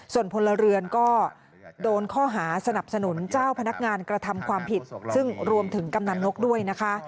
ส่วนพลเรือนก็โดนข้อหาสนับสนุนเจ้าพนักงานกระทำความผิดซึ่งรวมถึงกำนันนกด้วยนะคะ